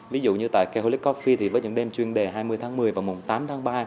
ví dụ như tại keholic coffee thì với những đêm chuyên đề hai mươi tháng một mươi và mùng tám tháng ba